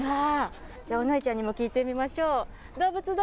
お姉ちゃんにも聞いてみましょう。